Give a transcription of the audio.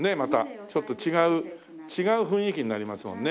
ちょっと違う違う雰囲気になりますもんね。